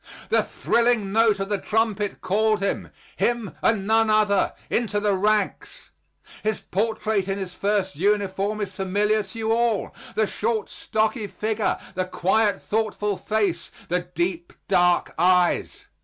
The thrilling notes of the trumpet called him him and none other into the ranks. His portrait in his first uniform is familiar to you all the short, stocky figure; the quiet, thoughtful face; the deep, dark eyes.